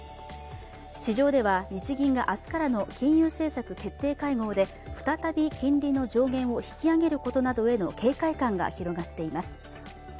市場では日銀が明日からの金融政策決定会合で再び金利の上限を引き上げることなどへの警戒感が広がっています。